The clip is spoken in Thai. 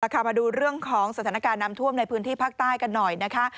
มาดูเรื่องของสถานการณ์น้ำท่วมในพื้นที่ภาคใต้กันหน่อยนะคะ